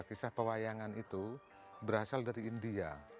kisah pewayangan itu berasal dari india